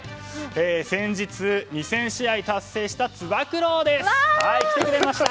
先日、２０００試合達成したつば九郎です、来てくれました。